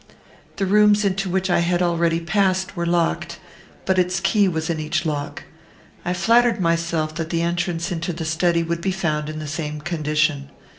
The rooms into which I had already passed were locked, but its key was in each lock. I flattered myself that the entrance into the study would be found in the same condition.